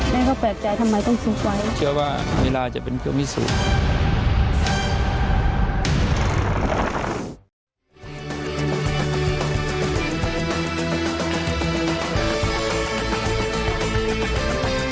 แม่เขาแปลกใจทำไมต้องซุกไว้เชื่อว่าเวลาจะเป็นเกลียวมิสุทธิ์